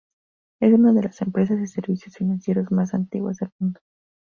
Es una de las empresas de servicios financieros más antiguas del mundo.